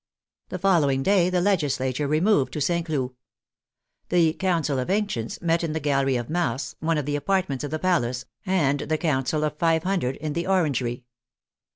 The following day the legislature removed to St. Cloud. The " Council of Ancients " met in the " Gallery of Mars," one of the apartments of the Palace, and the council of five hundred in the " Orangery."